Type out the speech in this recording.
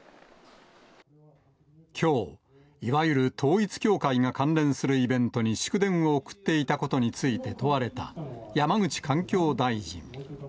きょう、いわゆる統一教会が関連するイベントに祝電を送っていたことについて問われた、山口環境大臣。